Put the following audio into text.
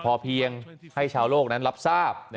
พอเพียงให้ชาวโลกนั้นรับทราบ